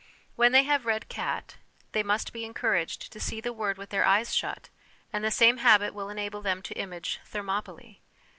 When they have read ' cat,' they must be encouraged to see the word with their eyes shut, and the same habit will enable them to image ' Thermopylae.'